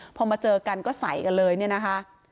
พอมาเจอกันก็ใส่กันเลยเนี่ยนะคะ